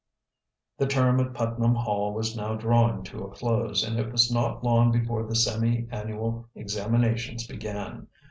The term at Putnam Hall was now drawing to a close and it was not long before the semi annual examinations began.